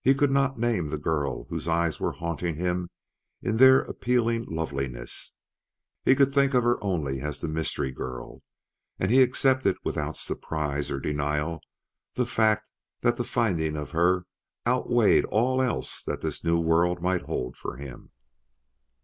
He could not name the girl whose eyes were haunting him in their appealing loveliness; he could think of her only as the mystery girl, and he accepted without surprise or denial the fact that the finding of her outweighed all else that this new world might hold for him.